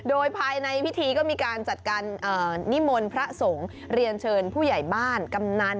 โดยภายในพิธีก็มีการจัดการนิมนต์พระสงฆ์เรียนเชิญผู้ใหญ่บ้านกำนัน